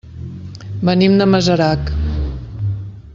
Venim de Masarac.